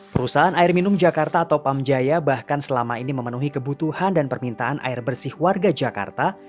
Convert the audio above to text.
perusahaan air minum jakarta atau pamjaya bahkan selama ini memenuhi kebutuhan dan permintaan air bersih warga jakarta